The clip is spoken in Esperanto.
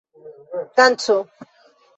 danco